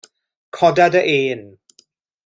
Coda dy ên.